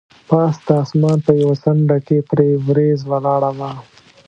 پاس د اسمان په یوه څنډه کې پرې وریځ ولاړه وه.